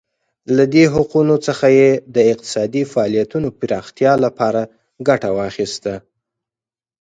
له دې حقونو څخه یې د اقتصادي فعالیتونو پراختیا لپاره ګټه واخیسته.